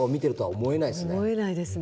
思えないですね。